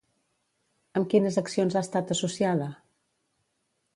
Amb quines accions ha estat associada?